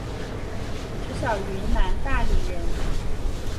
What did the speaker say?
石晓云南大理人。